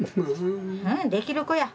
できる子や。